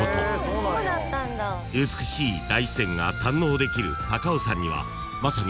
［美しい大自然が堪能できる高尾山にはまさに］